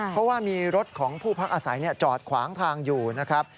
เพราะว่ามีรถของผู้พักอาศัยจอดขวางทางอยู่นะครับ